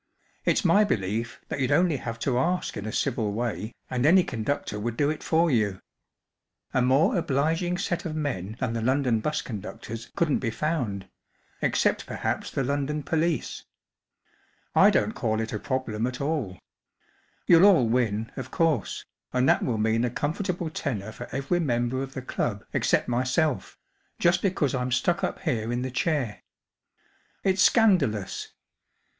It's my belief that you'd only have to ask in a civil way* and any conductor would do it for you* A more obliging set of men titan the London bus conductors couldn't be found, ex¬ cept perhaps the London police* I don't call it a problem at all* You'll all win, of course, and that will meaq a comfortable tenner for every member of the club except myself‚ÄĒ just because I’m stuck up here in the chair* It's scandalous."